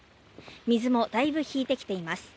水もだいぶ引いてきています。